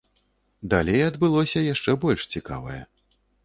Далей адбылося яшчэ больш цікавае.